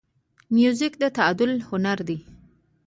موزیک د تعادل هنر دی.